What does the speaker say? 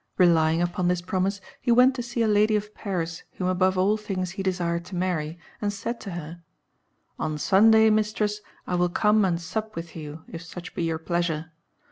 D. Relying upon this promise, he went to see a lady of Paris whom above all things he desired to marry, and said to her "On Sunday, mistress, I will come and sup with you, if such be your pleasure.